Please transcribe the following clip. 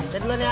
saya duluan ya